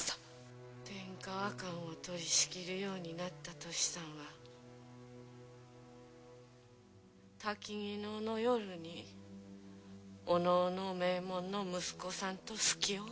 天河館を取りしきるようになった敏さんは薪能の夜にお能の名門の息子さんと好きおうた。